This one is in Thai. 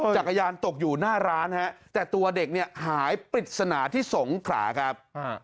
จักรยานตกอยู่หน้าร้านฮะแต่ตัวเด็กเนี่ยหายปริศนาที่สงขราครับ